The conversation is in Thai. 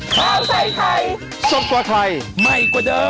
ใช่